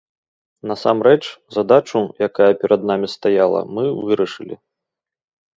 Насамрэч, задачу, якая перад намі стаяла, мы вырашылі.